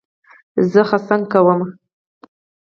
زه څخنک کوم.